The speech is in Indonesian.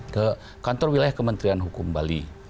ke kantor wilayah kementerian hukum bali